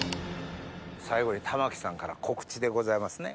最後に玉木さんから告知でございますね。